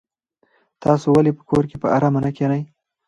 تاسو ولې په کور کې په ارامه نه کېنئ؟